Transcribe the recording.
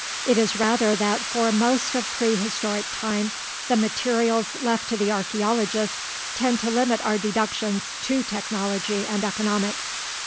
It is rather that for most of prehistoric time the materials left to the archeologists tend to limit our deductions to technology and economics.